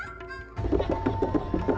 perguruan kebersih barat as